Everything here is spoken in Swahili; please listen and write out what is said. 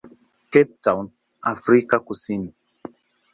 Cape Town, Afrika Kusini.